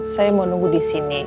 saya mau nunggu disini